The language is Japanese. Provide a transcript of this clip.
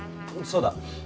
そうだ。